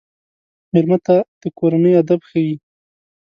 مېلمه ته د کورنۍ ادب ښيي.